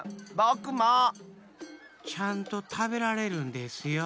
ちゃんとたべられるんですよ。